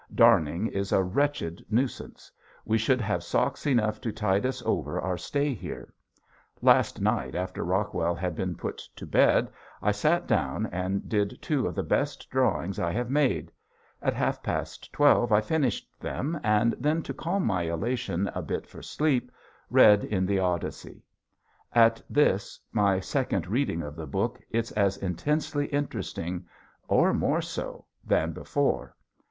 Darning is a wretched nuisance. We should have socks enough to tide us over our stay here. Last night after Rockwell had been put to bed I sat down and did two of the best drawings I have made. At half past twelve I finished them, and then to calm my elation a bit for sleep read in the "Odyssey." At this my second reading of the book it's as intensely interesting or more so than before.